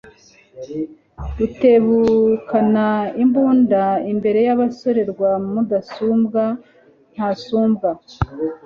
Rutebukana imbunda imbere y'abasore rwa Mudasumbwa ntasumbwa,